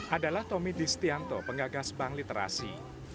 adalah tommy distianto pengagas bank literasi